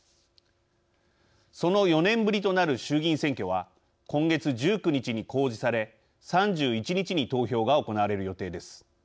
その４年ぶりとなる衆議院選挙は今月１９日に公示され３１日に投票が行われる予定です。